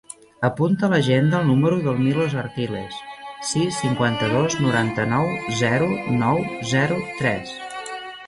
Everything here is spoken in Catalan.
Apunta a l'agenda el número del Milos Artiles: sis, cinquanta-dos, noranta-nou, zero, nou, zero, tres.